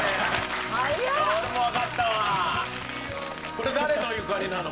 これ誰のゆかりなの？